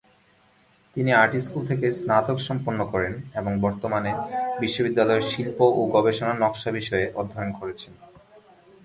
তিনি art school থেকে স্নাতক সম্পন্ন করেন এবং বর্তমানে বিশ্ববিদ্যালয়ের শিল্প ও গবেষণা নকশা বিষয়ে অধ্যয়ন করছেন।